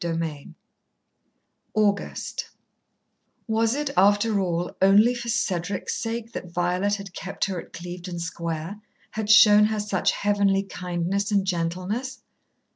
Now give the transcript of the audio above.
XXVI August Was it, after all, only for Cedric's sake that Violet had kept her at Clevedon Square had shown her such heavenly kindness and gentleness?